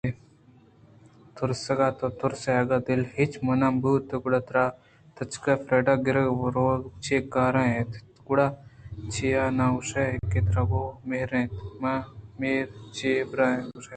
تُرسگ ءَ تو تُرسےاگاں دل ءَ ہچ مان مہ بوتیں گڑا ترا تچک ءَ فریڈا ءِ کِرّا روگ ءَ چے کار اَت ؟ گڑا چیا نہ گوٛشئے کہ ترا گو ں آئی ءَ مہر اِنت ؟ مہر ؟جیریمیاءَگوٛشت